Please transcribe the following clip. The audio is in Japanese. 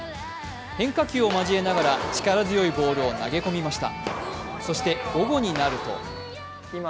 変化球を交えながら、力強いボールを投げ込みました。